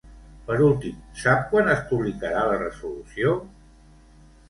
Per últim, sap quan es publicarà la resolució?